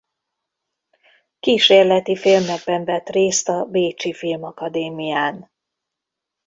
Kísérleti filmekben vett részt a bécsi filmakadémián.